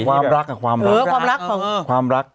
ความรักกับความรัก